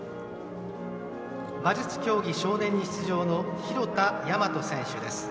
馬術競技少年に出場の広田大和選手です。